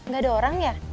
gak ada orang ya